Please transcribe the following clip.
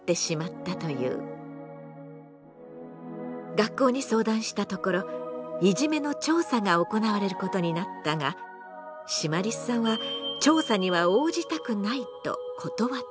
学校に相談したところいじめの調査が行われることになったがシマリスさんは「調査には応じたくない」と断った。